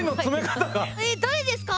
えっ誰ですか？